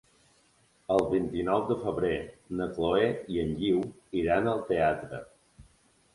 El vint-i-nou de febrer na Chloé i en Guiu iran al teatre.